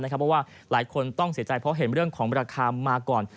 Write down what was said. เพราะว่าหลายคนต้องเสียใจเพราะเห็นเรื่องของราคามาก่อน